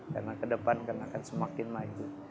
karena ke depan akan semakin maju